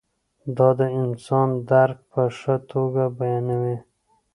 دا د انسان درک په ښه توګه بیانوي.